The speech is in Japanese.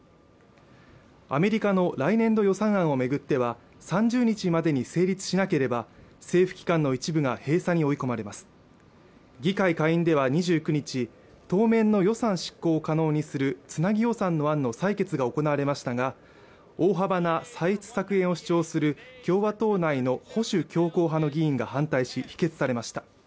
アメリカの来年度予算案をめぐっては３０日までに成立しなければ政府機関の一部が閉鎖に追い込まれます議会下院では２９日当面の予算執行を可能にするつなぎ予算の案の採決が行われましたが大幅な歳出削減を主張する共和党内の保守強硬派の議員が反対し否決されました